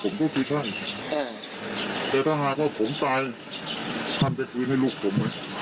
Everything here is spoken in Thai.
ผมก็คิดใช่แต่ถ้าพาพ่อผมตายทำเป็นคืนให้ลูกผม